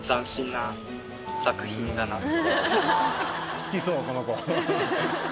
好きそうこの子。